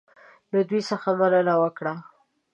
له دوی څخه مننه وکړه.